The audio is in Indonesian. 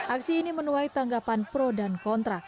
aksi ini menuai tanggapan pro dan kontra